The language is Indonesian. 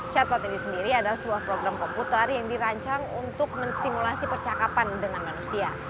chatbot ini sendiri adalah sebuah program komputer yang dirancang untuk menstimulasi percakapan dengan manusia